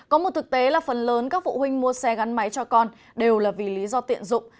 có một thực tế là phần lớn các phụ huynh mua xe gắn máy cho con đều là vì lý do tiện dụng